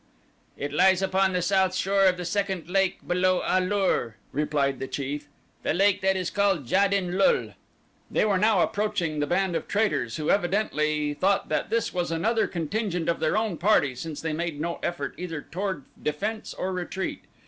"It lies upon the south shore of the second lake below A lur," replied the chief, "the lake that is called Jad in lul." They were now approaching the band of traitors, who evidently thought that this was another contingent of their own party since they made no effort either toward defense or retreat.